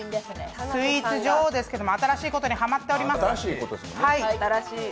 スイーツ女王ですけれども、新しいことにハマっております。